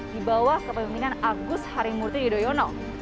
di bawah kepemimpinan agus harimurti yudhoyono